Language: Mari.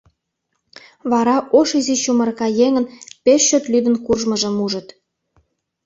Вара ош изи чумырка еҥын пеш чот лӱдын куржмыжым ужыт.